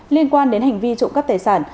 liên quan đến hành vi trộm cắp tài sản